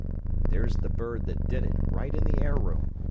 There's the bird that did it, right in the air room!